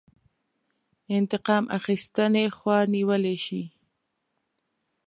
انتقام اخیستنې خوا نیولی شي.